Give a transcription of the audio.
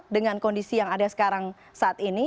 dengan kondisi yang ada sekarang saat ini